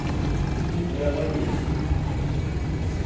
Si vous la voyez ici…